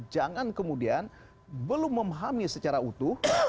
jangan kemudian belum memahami secara utuh